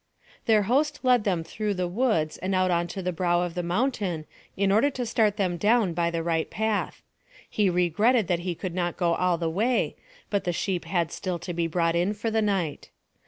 Their host led them through the woods and out on to the brow of the mountain in order to start them down by the right path. He regretted that he could not go all the way, but the sheep had still to be brought in for the night.